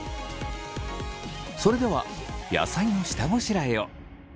それでは野菜の下ごしらえを。